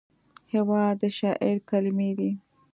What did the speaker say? هېواد د شاعر کلمې دي.